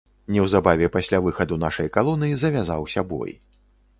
Неўзабаве пасля выхаду нашай калоны завязаўся бой.